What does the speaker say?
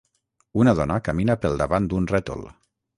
Una dona camina pel davant d'un rètol.